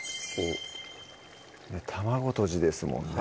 「卵とじ」ですもんね